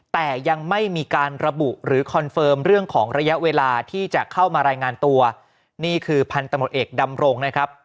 แต่ยังไม่มีการระบุหรือคอนเฟิร์มเรื่องของระยะเวลาที่จะเข้ามารายงานตัวนี่คือพันตำรวจเอกดำรงนะครับ